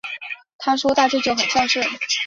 她说大舅舅很孝顺